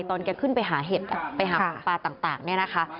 ตอนแกขึ้นไปหาเห็ดไปหาปลาต่างนี่นะคะ